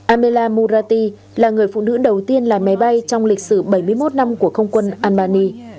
amela murati là người phụ nữ đầu tiên làm máy bay trong lịch sử bảy mươi một năm của không quân albany